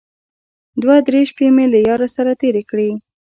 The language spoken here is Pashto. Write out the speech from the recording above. دوه درې شپې مې له ياره سره تېرې کړې.